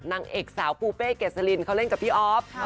นางเอกสาวปูเป้เกษลินเขาเล่นกับพี่อ๊อฟ